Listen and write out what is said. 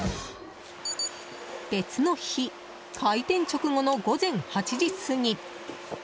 別の日、開店直後の午前８時過ぎ。